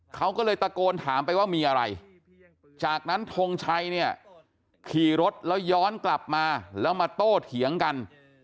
เขาก็เลยตะโกนถามไปว่ามีอะไรจากนั้นทงชัยเนี่ยขี่รถแล้วย้อนกลับมาแล้วมาโต้เถียงกัน